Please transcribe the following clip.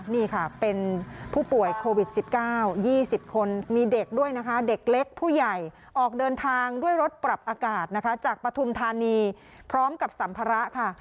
นี่ค่ะเป็นผู้ป่วยโควิด๑๙๒๐คนมีเด็กด้วยนะคะเด็กเล็กผู้ใหญ่ออกเดินทางด้วยรถปรับอากาศนะคะจากปฐุมธานีพร้อมกับสัมภาระค่ะ